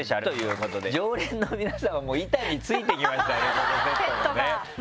このセットがね。